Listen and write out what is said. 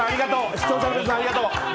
視聴者の皆さんありがとう。